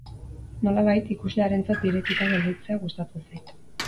Nolabait, ikuslearentzat irekita gelditzea gustatzen zait.